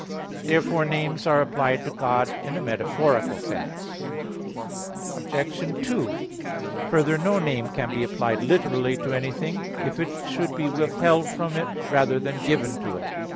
Therefore names are applied to God in a metaphorical sense. Obj. 2: Further, no name can be applied literally to anything if it should be withheld from it rather than given to it.